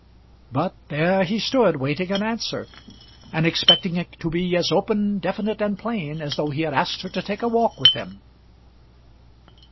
But there he stood waiting an answer, and expecting it to be as open, definite, and plain as though he had asked her to take a walk with him.